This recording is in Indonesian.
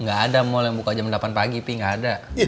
nggak ada mal yang buka jam delapan pagi nggak ada